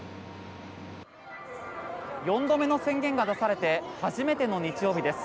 ４度目の宣言が出されて初めての日曜日です。